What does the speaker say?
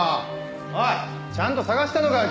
おいちゃんと探したのかよ